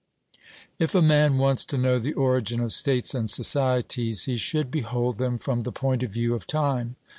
If a man wants to know the origin of states and societies, he should behold them from the point of view of time.